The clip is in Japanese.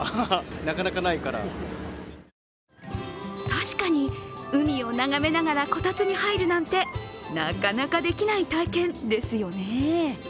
確かに、海を眺めながらこたつに入るなんてなかなかできない体験ですよね。